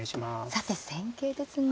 さて戦型ですが。